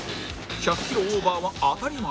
１００キロオーバーは当たり前